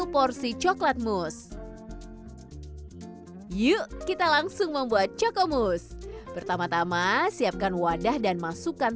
porsi coklat mus yuk kita langsung membuat cokomus pertama tama siapkan wadah dan masukkan